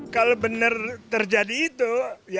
kalau benar terjadi itu ya